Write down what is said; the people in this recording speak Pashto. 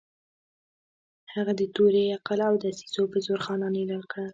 هغه د تورې، عقل او دسیسو په زور خانان اېل کړل.